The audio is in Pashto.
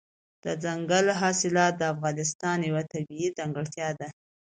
دځنګل حاصلات د افغانستان یوه طبیعي ځانګړتیا ده.